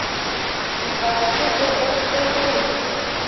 متعصب د بل ښېګڼه نه ویني